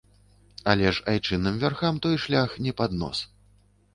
Але ж айчынным вярхам той шлях не пад нос.